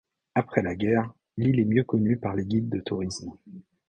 Après la guerre, l'île est mieux connue par les guides de tourisme.